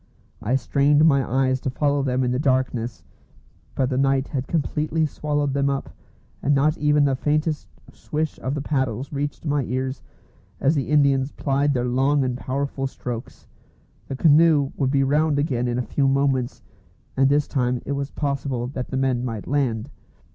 I strained my eyes to follow them in the darkness, but the night had completely swallowed them up, and not even the faintest swish of the paddles reached my ears as the Indians plied their long and powerful strokes. The canoe would be round again in a few moments, and this time it was possible that the men might land.